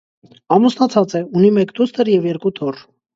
Ամուսնացած է, ունի մեկ դուստր և երկու թոռ։